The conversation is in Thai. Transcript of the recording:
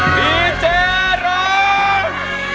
ดีเจร้อง